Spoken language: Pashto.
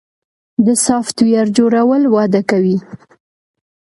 د سافټویر جوړول وده کوي